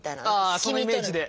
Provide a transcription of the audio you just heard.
ああそのイメージで。